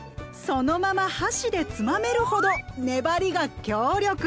そのまま箸でつまめるほど粘りが強力！